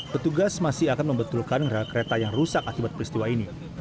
petugas masih akan membetulkan gerai kereta yang rusak akibat peristiwa ini